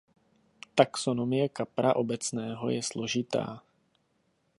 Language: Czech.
Taxonomie kapra obecného je složitá.